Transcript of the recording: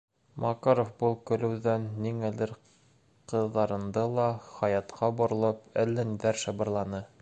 Макаров был көлөүҙән ниңәлер ҡыҙарынды ла, Хаятҡа боролоп, әллә ниҙәр шыбырланы.